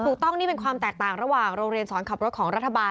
ถูกต้องนี่เป็นความแตกต่างระหว่างโรงเรียนสอนขับรถของรัฐบาล